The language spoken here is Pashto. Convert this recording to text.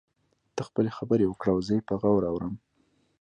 ته خپلې خبرې وکړه او زه يې په غور اورم.